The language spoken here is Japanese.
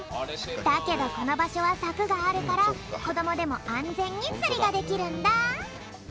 だけどこのばしょはさくがあるからこどもでもあんぜんにつりができるんだ！